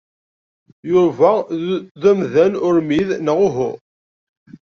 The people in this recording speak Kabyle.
Yuba d amdan urmid neɣ uhu?